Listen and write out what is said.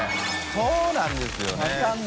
そうなんですよね。